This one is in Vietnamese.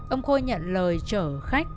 ông khôi nhận lời trở khách